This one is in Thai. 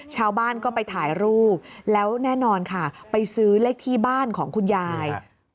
ชาวบ้านก็ไปถ่ายรูปแล้วแน่นอนค่ะไปซื้อเลขที่บ้านของคุณยาย